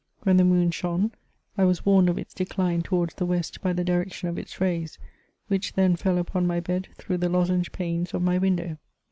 When the moon shone, I was warned of its decline towards the west by the direction of its rays, which then fell upon my bed through the lozenge panes of my window.